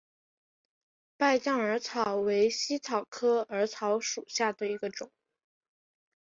败酱耳草为茜草科耳草属下的一个种。